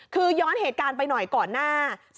คือย้อนเหตุการณ์ไปหน่อยก่อนหน้า